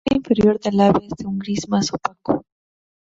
La parte inferior del ave es de un gris más opaco.